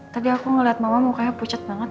tadi aku ngeliat mama mukanya pucet banget